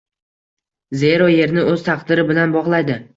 Zero, yerni o‘z taqdiri bilan bog‘laydi.